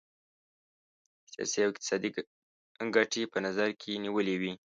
سیاسي او اقتصادي ګټي په نظر کې نیولي وې.